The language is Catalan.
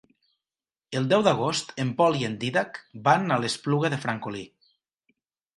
El deu d'agost en Pol i en Dídac van a l'Espluga de Francolí.